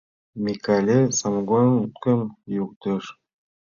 — Микале самогонкым йӱктыш.